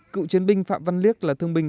cựu chiến binh phạm văn liếc là thương binh